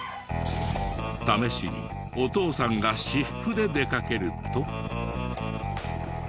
試しにお父さんが私服で出かけると。